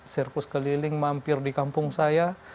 sirkus keliling mampir di kampung saya